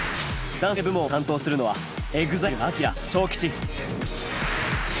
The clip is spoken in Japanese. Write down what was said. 男性部門を担当するのはＥＸＩＬＥＡＫＩＲＡＳＨＯＫＩＣＨＩ。